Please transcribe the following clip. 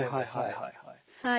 はいはい。